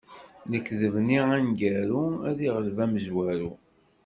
Lekdeb-nni aneggaru ad iɣleb amezwaru.